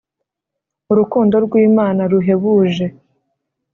urukundo rwi Imana ruhebuje